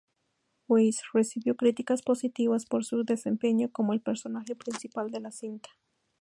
Weisz recibió críticas positivas por su desempeño como el personaje principal de la cinta.